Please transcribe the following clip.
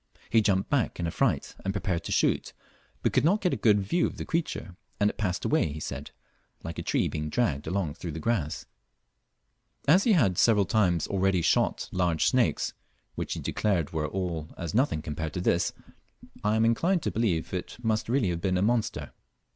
He jumped back in affright and prepared to shoot, but could not get a good vies of the creature, and it passed away, he said, like a tree being dragged along through the grass. As he lead several times already shot large snakes, which he declared were all as nothing compared with this, I am inclined to believe it must really have been a monster.